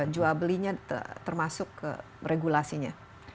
jual belinya termasuk regulasinya